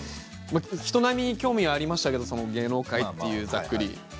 人並みに興味がありましたよ芸能界ってざっくり。